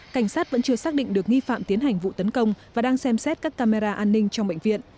cảnh sát vẫn chưa xác định được nghi phạm tiến hành vụ tấn công và đang xem xét các camera an ninh trong bệnh viện